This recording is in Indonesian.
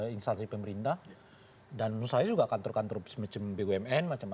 instansi pemerintah dan menurut saya juga kantor kantor semacam bumn